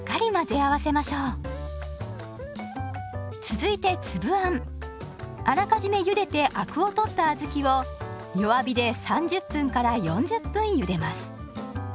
続いてあらかじめゆでてアクを取った小豆を弱火で３０分４０分ゆでます。